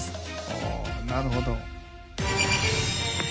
おおなるほど。